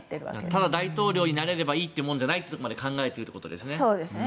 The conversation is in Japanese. ただ大統領になれればいいというところまで考えているということですね。